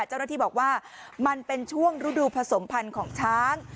เจ้าหน้าที่บอกว่ามันเป็นช่วงฤดูผสมพันธุ์ของช้าง